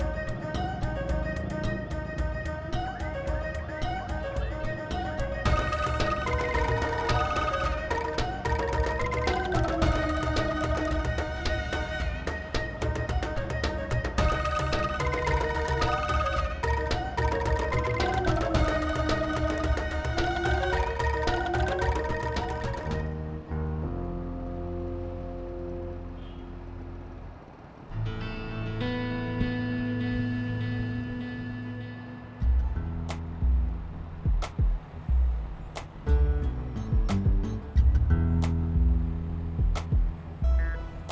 ke rumah kang bangja